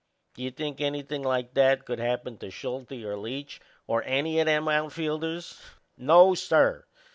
Do you think anything like that could happen to Schulte or Leach, or any o' them outfielders? No, sir!